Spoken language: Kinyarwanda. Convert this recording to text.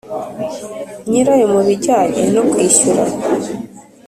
nyirayo mu bijyanye no kwishyura